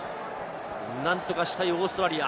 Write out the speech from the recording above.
何とかしたいオーストラリア。